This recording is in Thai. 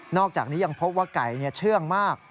อกจากนี้ยังพบว่าไก่เชื่องมาก